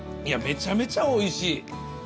いやめちゃめちゃおいしい。